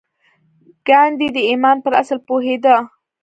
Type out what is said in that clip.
ګاندي د ايمان پر اصل پوهېده.